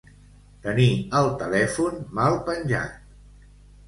Tenir el telèfon mal penjat.